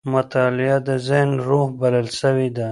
مطالعه د ذهن روح بلل سوې ده.